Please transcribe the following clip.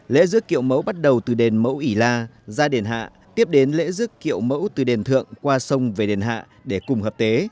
lễ dứa kiệu mẫu bắt đầu từ đền mẫu ỉ la gia đền hạ tiếp đến lễ rước kiệu mẫu từ đền thượng qua sông về đền hạ để cùng hợp tế